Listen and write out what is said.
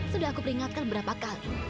sudah aku peringatkan berapa kali